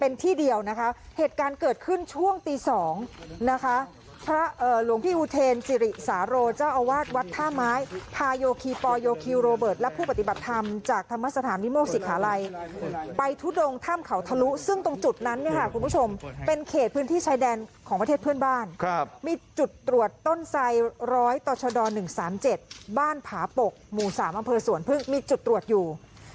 เป็นที่เดียวนะครับเหตุการณ์เกิดขึ้นช่วงตี๒นะครับพระหลวงพี่อุเทรนจิริสาโรเจ้าอาวาสวัดท่าม้ายพายกิปอยกิโลเบิร์ตและผู้ปฏิบัติธรรมจากธรรมสถานวิโมกศิษฐาลัยไปทุดงท่ามเขาทะลุซึ่งตรงจุดนั้นเนี่ยค่ะคุณผู้ชมเป็นเขตพื้นที่ชายแดนของประเทศเพื่อนบ้านครับมีจุ